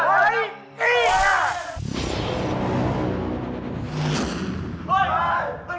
ใช่ซ่อยหนูจริงจริงด้วย